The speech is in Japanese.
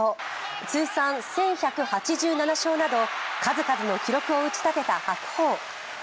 通算１１８７勝など数々の記録を打ち立てた白鵬。